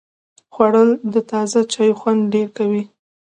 خوړل د تازه چای خوند ډېر کوي